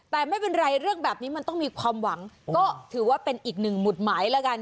แต่ไม่เป็นไรเรื่องแบบนี้มันต้องมีความหวังก็ถือว่าเป็นอีกหนึ่งหมุดหมายแล้วกัน